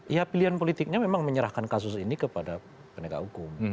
ya pilihan politiknya memang menyerahkan kasus ini kepada penegak hukum